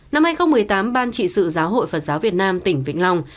năm hai nghìn một mươi tám ban trị sự giáo hội phật giáo việt nam tỉnh vĩnh long